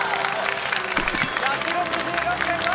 １６６．５！